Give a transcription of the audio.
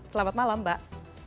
selamat malam mbak